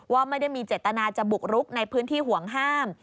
ว่าไม่ได้มีเจตนาจะบุกรุกในพื้นที่ห่วงห้าม